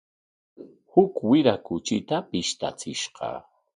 Huk wira kuchita pishtachishqa.